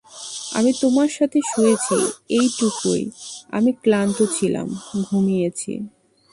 আমি তোমার সাথে শুয়েছি, এইটুকুই, আমি ক্লান্ত ছিলাম ঘুমিয়েছি।